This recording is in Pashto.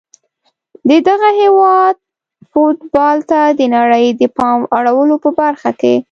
د دغه هیواد فوتبال ته د نړۍ د پام اړولو په برخه کې